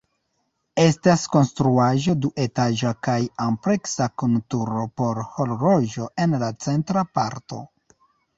Estas konstruaĵo duetaĝa kaj ampleksa kun turo por horloĝo en la centra parto.